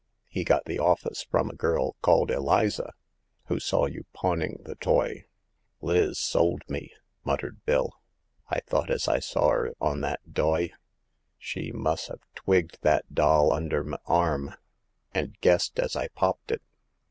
He got the office from a girl called Eliza, who saw you pawning the toy." Liz sold me," muttered Bill. '* I thought as I sawr 'er on that doy. She' mus' ha* twigged that doll under m' arm, and guessed as I popped it.